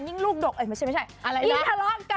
ยิ่งลูกดกไม่ใช่ยิ่งทะเลาะกัน